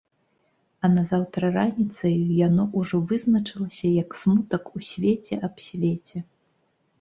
А назаўтра раніцаю яно ўжо вызначылася як смутак у свеце аб свеце.